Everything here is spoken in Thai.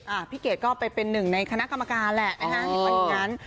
พี่เกดก็ไปเป็นหนึ่งในคณะกรรมการแหละนะฮะในวันนั้น